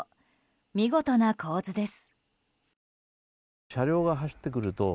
見事な構図です。